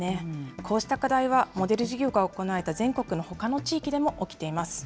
こうした課題はモデル事業が行われた全国のほかの地域でも起きています。